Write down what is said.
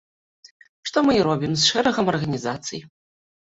Што мы і робім з шэрагам арганізацый.